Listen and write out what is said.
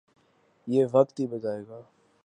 یہ وقت ہی بتائے گا۔